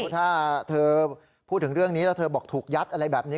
ถ้าเธอพูดถึงเรื่องนี้แล้วเธอบอกถูกยัดอะไรแบบนี้